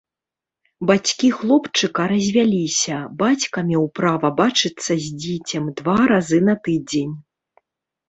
Бацькі хлопчыка развяліся, бацька меў права бачыцца з дзіцем два разы на тыдзень.